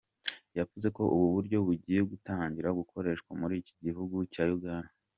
Yavuze ko ubu buryo bugiye gutangira gukoreshwa muri iki gihugu cya Uganda.